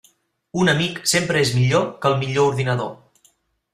Un amic sempre és millor que el millor ordinador.